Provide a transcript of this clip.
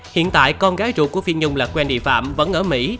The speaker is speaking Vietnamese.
hiện tại con gái ruột của phi nhung là quen địa phạm vẫn ở mỹ